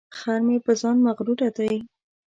خر مې په ځان مغروره دی.